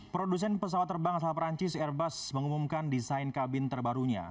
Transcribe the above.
produsen pesawat terbang asal perancis airbus mengumumkan desain kabin terbarunya